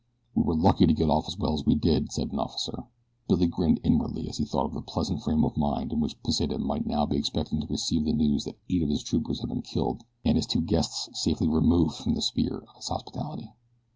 "We were lucky to get off as well as we did," said an officer. Billy grinned inwardly as he thought of the pleasant frame of mind in which Pesita might now be expected to receive the news that eight of his troopers had been killed and his two "guests" safely removed from the sphere of his hospitality.